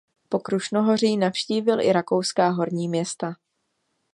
Po Krušnohoří navštívil i rakouská horní města.